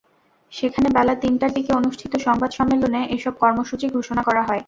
সেখানে বেলা তিনটার দিকে অনুষ্ঠিত সংবাদ সম্মেলনে এসব কর্মসূচি ঘোষণা করা হয়।